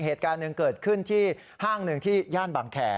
เหตุการณ์หนึ่งเกิดขึ้นที่ห้างหนึ่งที่ย่านบางแคร์